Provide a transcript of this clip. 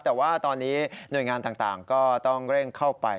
แต่ว่าตอนนี้หน่วยงานต่างก็ต้องเร่งเข้าไป